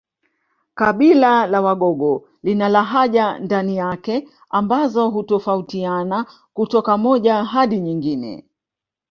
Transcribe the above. Kabila la Wagogo lina lahaja ndani yake ambazo hutofautiana kutoka moja hadi nyingine